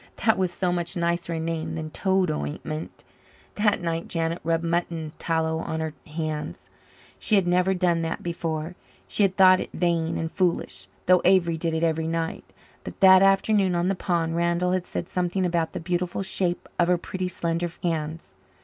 That was so much nicer a name than toad ointment. That night Janet rubbed mutton tallow on her hands. She had never done that before she had thought it vain and foolish though Avery did it every night. But that afternoon on the pond Randall had said something about the beautiful shape of her pretty slender hands.